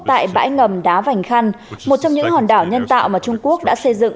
tại bãi ngầm đá vành khăn một trong những hòn đảo nhân tạo mà trung quốc đã xây dựng